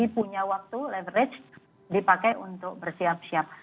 punya waktu leverage dipakai untuk bersiap siap